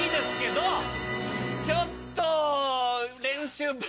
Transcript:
ちょっと。